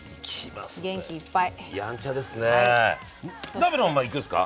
鍋のままいくんですか？